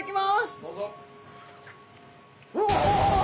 どうぞ。